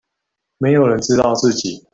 沒有人知道自己